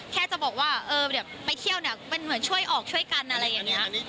แค่จะบอกว่าเออแบบไปเที่ยวเนี่ยมันเหมือนช่วยออกช่วยกันอะไรอย่างนี้